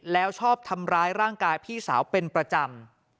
แล้วชอบทำร้ายร่างกายพี่สาวเป็นประจำ